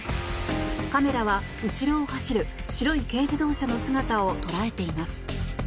カメラは後ろを走る白い軽自動車の姿を捉えています。